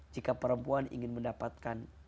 jika perempuan ingin mendapatkan